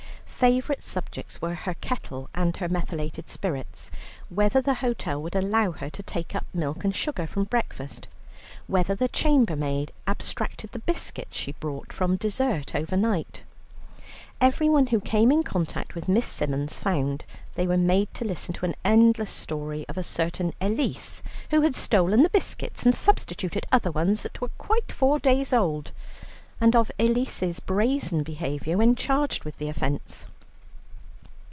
Favourite subjects were her kettle and her methylated spirits, whether the hotel would allow her to take up milk and sugar from breakfast, whether the chambermaid abstracted the biscuits she brought from dessert overnight. Everyone who came in contact with Miss Symons found they were made to listen to an endless story of a certain Elise who had stolen the biscuits and substituted other ones that were quite four days old, and of Elise's brazen behaviour when charged with the offence.